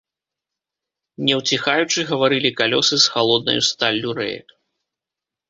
Не ўціхаючы, гаварылі калёсы з халоднаю сталлю рэек.